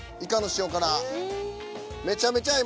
塩辛。